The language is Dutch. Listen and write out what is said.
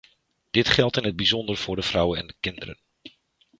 Dit geldt in het bijzonder voor de vrouwen en kinderen.